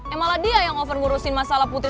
eh malah dia yang over ngurusin masalah putri